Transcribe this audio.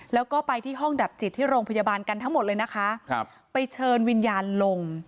แล้วก็ไปที่ห้องดับจิตที่โรงพยาบาลกันทั้งหมดเลยนะคะครับไปเชิญวิญญาณลง